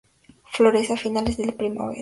Florece a finales de primavera.